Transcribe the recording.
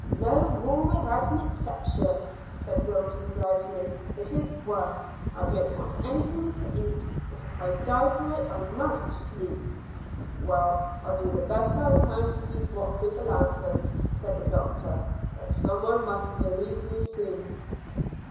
"No rule without an exception," said Wilton drowsily. "This is one. I don't want anything to eat, but if I die for it I must sleep." "Well, I'll do the best I can to keep watch with the lanthorn," said the doctor; "but some one must relieve me soon."